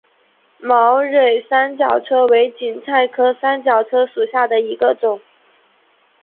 毛蕊三角车为堇菜科三角车属下的一个种。